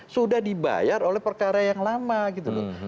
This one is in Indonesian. sudah dibayar oleh perkara yang lama gitu loh